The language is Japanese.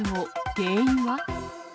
原因は？